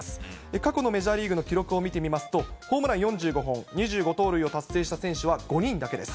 過去のメジャーリーグの記録を見てみますと、ホームラン４５本、２５盗塁を達成した選手は５人だけです。